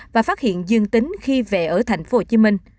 và phát hiện dương tính khi về ở tp hcm